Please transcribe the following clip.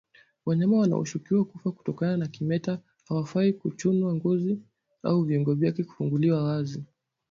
Wanyama wanaoshukiwa kufa kutokana na kimeta hawafai kuchunwa ngozi au viungo vyake kufunguliwa wazi